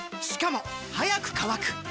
しかも速く乾く！